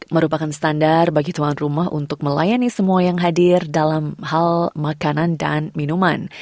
merupakan standar bagi tuan rumah untuk melayani semua yang hadir dalam hal makanan dan minuman